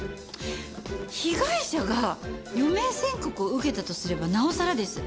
被害者が余命宣告を受けたとすればなおさらです。